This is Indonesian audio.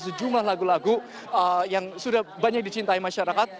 sejumlah lagu lagu yang sudah banyak dicintai masyarakat